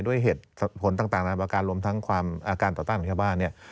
ด้วยเหตุผลต่างนานาประการรวมทั้งความอาการต่อต้านของชาวบ้านเนี่ย